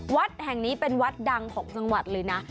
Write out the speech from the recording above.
วัดแห่งนี้เป็นวัดดังของจังหวัดเลยนะ